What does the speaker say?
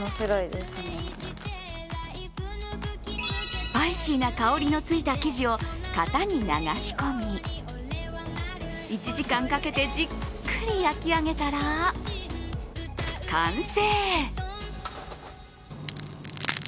スパイシーな香りのついた生地を型に流し込み１時間かけてじっくり焼き上げたら、完成。